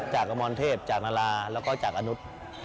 จากอมรเทพจากนาราแล้วก็จากอนุธ